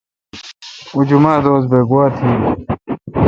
اوں جمعہ دوس بہ گوا تھی۔